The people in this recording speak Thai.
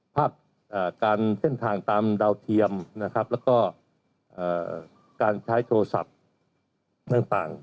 ภาพการเส้นทางตามดาวเทียมและการใช้โทรศัพท์ต่าง